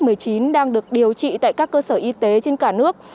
covid một mươi chín đang được điều trị tại các cơ sở y tế trên cả nước